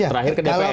terakhir ke dpr